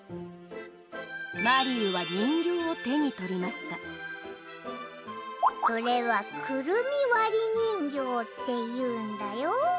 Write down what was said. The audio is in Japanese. マリーは人形を手に取りましたそれはくるみわり人形っていうんだよ。